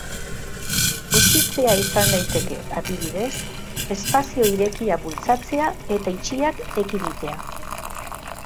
Gutxitzea izan daiteke, adibidez, espazio irekiak bultzatzea eta itxiak ekiditea.